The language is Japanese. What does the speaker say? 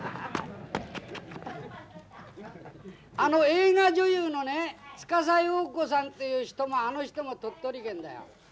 あの映画女優のね司葉子さんっていう人があの人も鳥取県だよ。